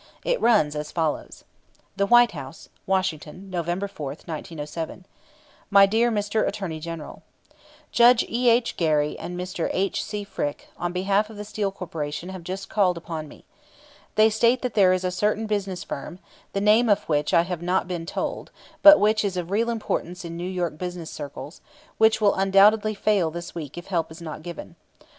It runs as follows: THE WHITE HOUSE, Washington, November 4, 1907. My dear Mr. Attorney General: Judge E. H. Gary and Mr. H. C. Frick, on behalf of the Steel Corporation, have just called upon me. They state that there is a certain business firm (the name of which I have not been told, but which is of real importance in New York business circles), which will undoubtedly fail this week if help is not given.